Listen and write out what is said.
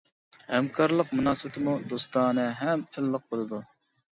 ھەمكارلىق مۇناسىۋىتىمۇ دوستانە ھەم ئىللىق بولىدۇ.